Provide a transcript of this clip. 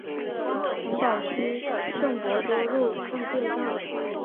城堡区圣伯多禄圣殿上。